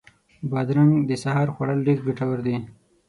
بادرنګ د سهار خوړل ډېر ګټور دي.